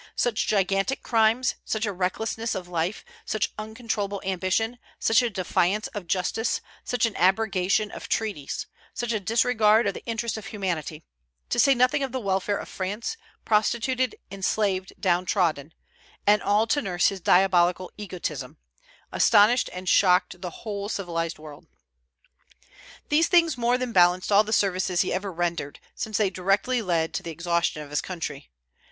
Such gigantic crimes, such a recklessness of life, such uncontrollable ambition, such a defiance of justice, such an abrogation of treaties, such a disregard of the interests of humanity, to say nothing of the welfare of France, prostituted, enslaved, down trodden, and all to nurse his diabolical egotism, astonished and shocked the whole civilized world. These things more than balanced all the services he ever rendered, since they directly led to the exhaustion of his country.